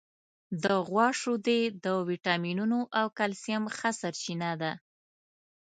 د غوا شیدې د وټامینونو او کلسیم ښه سرچینه ده.